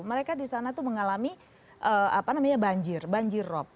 mereka di sana itu mengalami banjir banjir rob